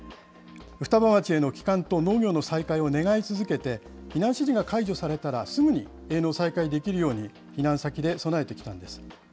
双葉町への帰還と、農業の再開を願い続けて、避難指示が解除されたらすぐに営農再開できるように、避難先で備えてきたんです。